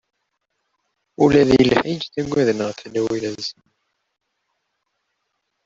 Ula deg lḥiǧ ttagaden ɣef tlawin-nsen!